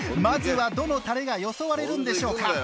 まずはどのたれがよそわれるんでしょうか。